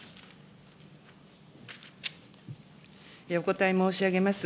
お答え申し上げます。